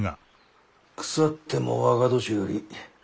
腐っても若年寄。